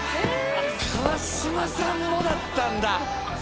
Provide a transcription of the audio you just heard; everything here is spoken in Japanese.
川島さんもだったんだ。